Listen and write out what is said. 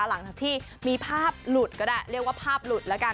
หลังจากที่มีภาพหลุดก็ได้เรียกว่าภาพหลุดแล้วกัน